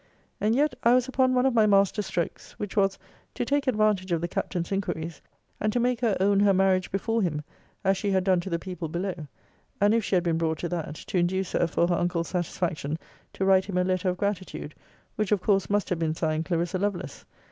And yet I was upon one of my master strokes which was, to take advantage of the captain's inquiries, and to make her own her marriage before him, as she had done to the people below; and if she had been brought to that, to induce her, for her uncle's satisfaction, to write him a letter of gratitude; which of course must have been signed Clarissa Lovelace.